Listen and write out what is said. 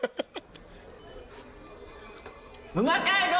うま街道！